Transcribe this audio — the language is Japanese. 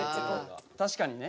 確かにね。